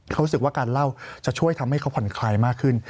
เขารู้สึกว่าการเล่าจะช่วยทำให้เขาผ่อนคลายมากขึ้น